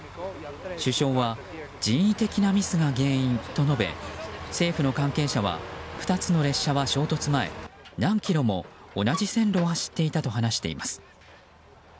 首相は人為的なミスが原因と述べ政府の関係者は２つの列車は衝突前何キロも同じ線路を走っていたと話しています。